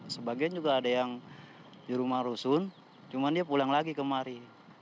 sebagian juga ada yang di rumah rusun cuma dia pulang lagi kemari